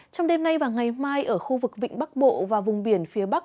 trong đêm nay và ngày mai ở khu vực vịnh bắc bộ và vùng biển phía bắc